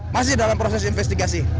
masih dalam proses investigasi